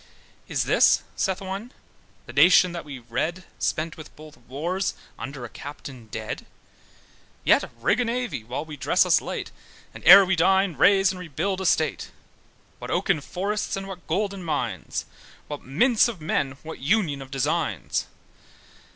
`Is this', saith one, `the nation that we read Spent with both wars, under a captain dead, Yet rig a navy while we dress us late, And ere we dine, raze and rebuild their state? What oaken forests, and what golden mines! What mints of men, what union of designs!